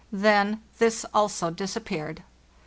Then this also disappeared.